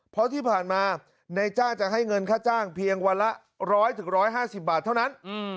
เพราะที่ผ่านมานายจ้างจะให้เงินค่าจ้างเพียงวันละ๑๐๐๑๕๐บาทเท่านั้น